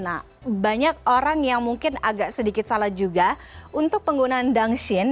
nah banyak orang yang mungkin agak sedikit salah juga untuk penggunaan dangsin